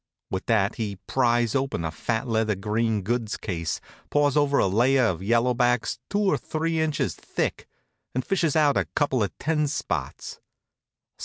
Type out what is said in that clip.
With that he pries open a fat leather green goods case, paws over a layer of yellow backs two or three inches thick and fishes out a couple of ten spots.